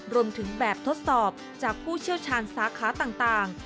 รวมถึงแบบทดสอบจากผู้เชี่ยวชาญสาขาต่าง